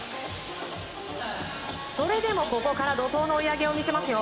それでも、ここから怒涛の追い上げを見せますよ。